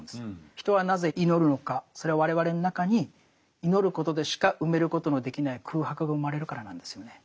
人はなぜ祈るのかそれは我々の中に祈ることでしか埋めることのできない空白が生まれるからなんですよね。